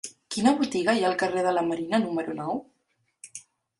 Quina botiga hi ha al carrer de la Marina número nou?